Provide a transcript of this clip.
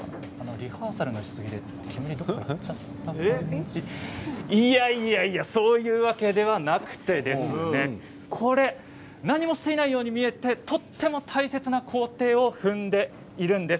リハーサルのしすぎでどこかに行っちゃったのかなそういうわけではなくて何もしていないように見えてとても大切な工程を踏んでいるんです。